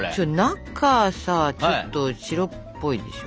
中さちょっと白っぽいでしょ？